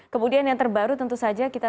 kemudian yang terbaru tentu saja kita